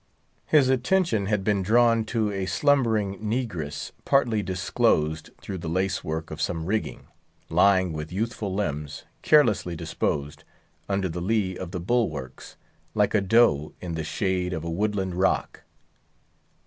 His attention had been drawn to a slumbering negress, partly disclosed through the lacework of some rigging, lying, with youthful limbs carelessly disposed, under the lee of the bulwarks, like a doe in the shade of a woodland rock.